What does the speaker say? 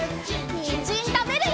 にんじんたべるよ！